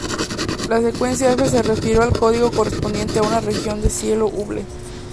La secuencia F se refiere al código correspondiente a una región del cielo Hubble.